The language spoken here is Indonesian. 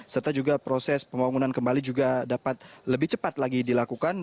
serta juga proses pembangunan kembali juga dapat lebih cepat lagi dilakukan